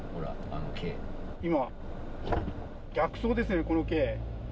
今、逆走ですね、この軽。